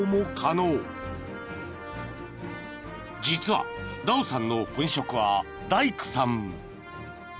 ［実はダオさんの本職は大工さん］